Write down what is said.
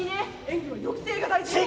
演技は抑制が大事よ。